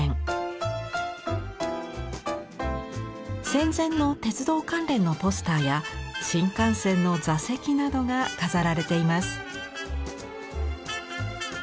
戦前の鉄道関連のポスターや新幹線の座席などが飾られています。